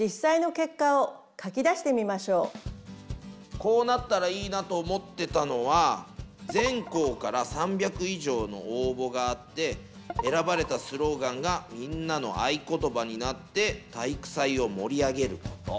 こうなったらいいなと思ってたのは全校から３００以上の応募があって選ばれたスローガンがみんなの合言葉になって体育祭を盛り上げること。